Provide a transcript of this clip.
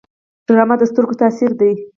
ډرامه د سترګو تاثیر دی